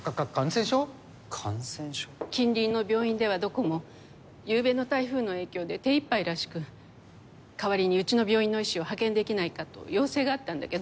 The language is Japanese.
近隣の病院ではどこもゆうべの台風の影響で手いっぱいらしく代わりにうちの病院の医師を派遣できないかと要請があったんだけど。